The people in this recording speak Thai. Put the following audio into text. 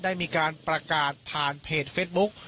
ได้มีการประกาศผ่านเพจเฟสบุ๊ก